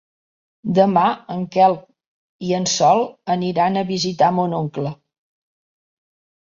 Demà en Quel i en Sol aniran a visitar mon oncle.